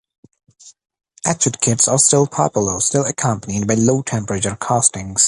Etched kits are still popular, still accompanied by low temperature castings.